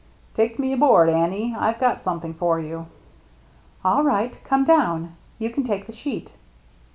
" Take me aboard, Annie. I've got some thing for you." " All right, come down. You can take the sheet."